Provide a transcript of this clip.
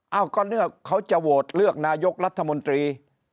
เอ้าก็เลือกเขาจะโหวตเลือกนายกรัฐมนตรี